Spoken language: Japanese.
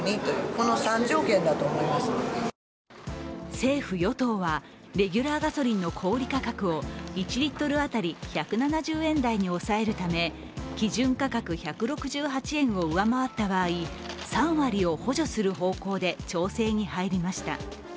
政府・与党はレギュラーガソリンの小売価格を１リットル当たり１７０円台に抑えるため、基準価格１６８円を上回った場合３割を補助する方向で調整に入りました。